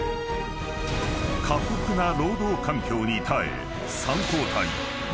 ［過酷な労働環境に耐え］